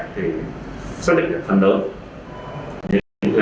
thiếu sự quản lý